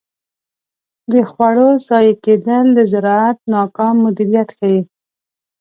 د خوړو ضایع کیدل د زراعت ناکام مدیریت ښيي.